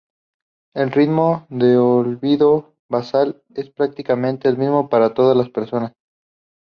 El ritmo de olvido basal es prácticamente el mismo para todas las personas.